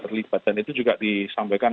terlibat dan itu juga disampaikan